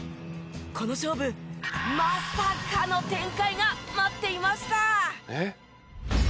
この勝負まさかの展開が待っていました！